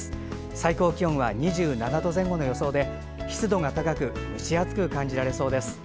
最高気温は２７度前後の予想で湿度が高く蒸し暑く感じられそうです。